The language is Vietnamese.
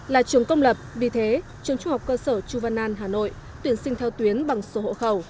là trường công lập vì thế trường trung học cơ sở chu văn an hà nội tuyển sinh theo tuyến bằng số hộ khẩu